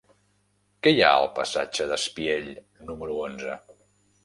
Què hi ha al passatge d'Espiell número onze?